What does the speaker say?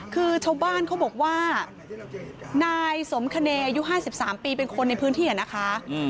คือชาวบ้านเขาบอกว่านายสมคเนยอายุ๕๓ปีเป็นคนในพื้นที่นะคะ